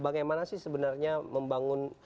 bagaimana sih sebenarnya membangun